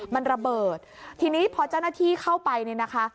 มันระเบิดทีนี้พอเจ้าหน้าที่เข้าไปเนี่ยนะคะ